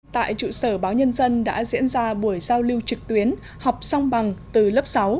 tại trụ sở báo nhân dân đã diễn ra buổi giao lưu trực tuyến học song bằng từ lớp sáu